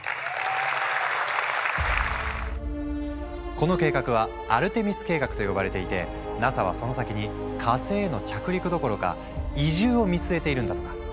この計画は「アルテミス計画」と呼ばれていてＮＡＳＡはその先に火星への着陸どころか移住を見据えているんだとか。